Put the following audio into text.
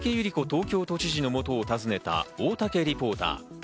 東京都知事のもとを訪ねた大竹リポーター。